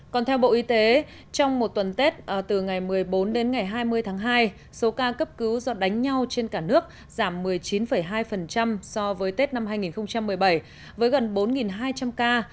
còn theo bộ y tế trong một tuần tết từ ngày một mươi bốn đến ngày hai mươi tháng hai số ca cấp cứu do đánh nhau trên cả nước giảm một mươi chín hai so với tết năm hai nghìn một mươi bảy với gần bốn hai trăm linh ca